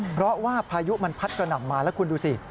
เพราะว่าพายุมันพัดกระหน่ำมาแล้วคุณดูสิ